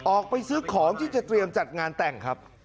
ออกไปซื้อของที่จะเตรียมจัดงานแต่งครับ